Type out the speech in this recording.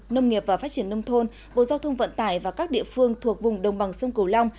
nông nghiệp và phát triển nông thôn bộ giao thông vận tải và các địa phương thuộc vùng đồng bằng sông cửu long